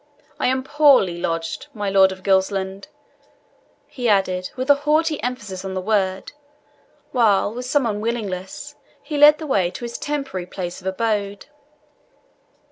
I am POORLY lodged, my Lord of Gilsland," he added, with a haughty emphasis on the word, while, with some unwillingness, he led the way to his temporary place of abode.